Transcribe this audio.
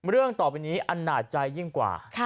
เรื่องต่อไปนี้อันนาจใจยิ่งกว่า